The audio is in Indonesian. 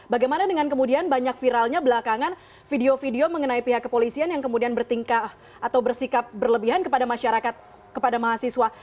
bagaimana dengan kemudian banyak viralnya belakangan video video mengenai pihak kepolisian yang kemudian bertingkah atau bersikap berlebihan kepada masyarakat kepada mahasiswa